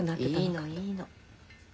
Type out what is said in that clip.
いいのいいの。